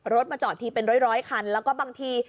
มาจอดทีเป็นร้อยคันแล้วก็บางที